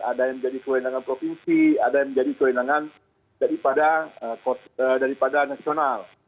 ada yang menjadi kewenangan provinsi ada yang menjadi kewenangan daripada nasional